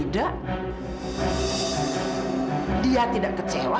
dan ketika haris sadar